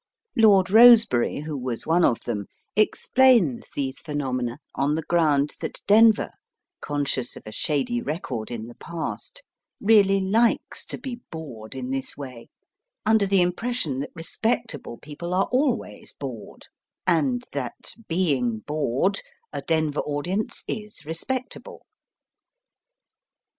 Lord Eosebery, who was one of them, ex plains this phenomena on the ground that Denver, conscious of a shady record in the Digitized by Google 72 EAST BY WEST. past, really likes to be bored in this way, under the impression that respectable people are always bored, and that, being bored, a Denver audience is respectable.